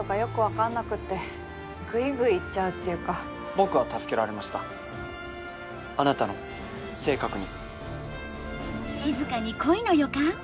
僕は助けられましたあなたの性格に。